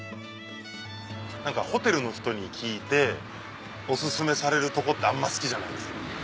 ホテルの人に聞いてオススメされるとこってあんま好きじゃないんです。